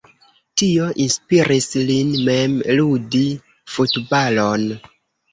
Tio inspiris lin mem ludi futbalon.